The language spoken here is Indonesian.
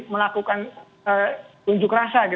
melakukan tunjuk rasa